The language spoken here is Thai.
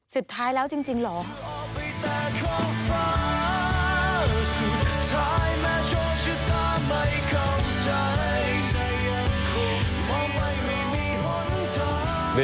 สุดท้ายแล้วจริงเหรอ